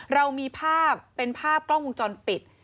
เรามีภาพเป็นภาพกล้องวงจรปิด